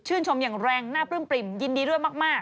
ชื่นชมอย่างแรงหน้าเปลื้มยินดีเรื่องมาก